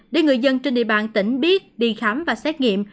để người dân trên địa bàn tỉnh biết đi khám và xét nghiệm